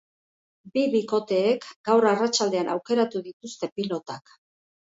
Bi bikoteek gaur arratsaldean aukeratu dituzte pilotak.